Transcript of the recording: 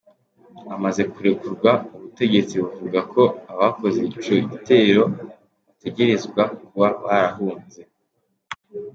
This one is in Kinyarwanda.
Amaze kurekurwa, ubutegetsi buvuga ko abakoze ico gitero bategerezwa kuba barahunze.